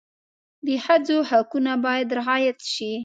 د ښځو حقونه باید رعایت شي.